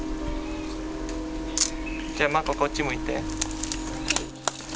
じゃあ、眞子、こっち向いて。